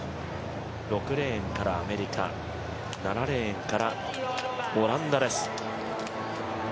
６レーンからアメリカ、７レーンからオランダです。